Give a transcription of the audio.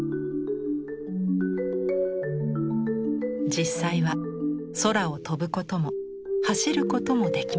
実際は空を飛ぶことも走ることもできませんでした。